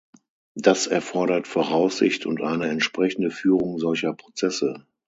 Das erfordert Voraussicht und eine entsprechende Führung solcher Prozesse.